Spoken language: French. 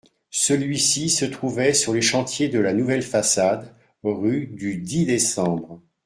Celui-ci se trouvait sur les chantiers de la nouvelle façade, rue du Dix-Décembre.